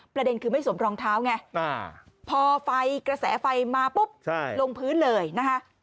ประเด็นคือไม่สวมรองเท้าไงพอไฟกระแสไฟมาปุ๊บลงพื้นเลยนะคะ